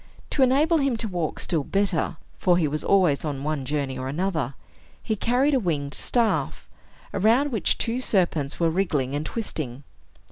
To enable him to walk still better (for he was always on one journey or another) he carried a winged staff, around which two serpents were wriggling and twisting.